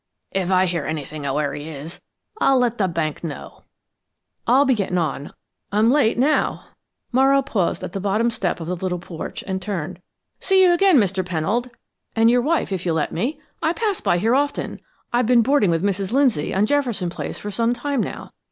If I hear anything of where he is, I'll let the bank know." "I'll be getting on; I'm late now " Morrow paused on the bottom step of the little porch and turned. "See you again, Mr. Pennold, and your wife, if you'll let me. I pass by here often I've been boarding with Mrs. Lindsay, on Jefferson Place, for some time now.